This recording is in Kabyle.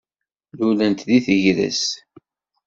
Lulent deg tegrest.